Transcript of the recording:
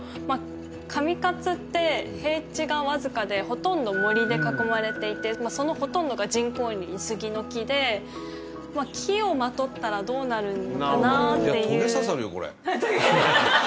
上勝って平地がわずかでほとんど森で囲まれていてそのほとんどが人工林杉の木で木をまとったらどうなるのかなっていう。